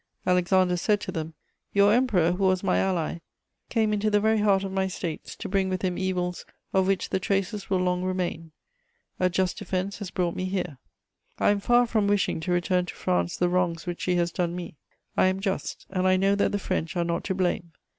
Alexander said to them: "Your Emperor, who was my ally, came into the very heart of my States to bring with him evils of which the traces will long remain: a just defense has brought me here. I am far from wishing to return to France the wrongs which she has done me. I am just, and I know that the French: are not to blame.